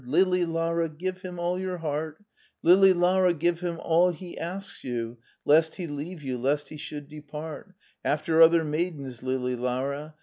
Lili Lara, give him all your heart. Lili Lara, give him all he asks you. Lest he leave you, lest he should depart After other maidens, Lili Lara!